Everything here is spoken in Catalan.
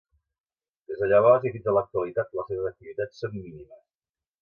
Des de llavors i fins a l'actualitat les seves activitats són mínimes.